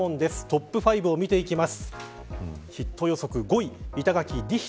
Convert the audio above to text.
トップ５を見ていきます。